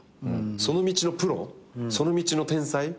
その道のプロその道の天才。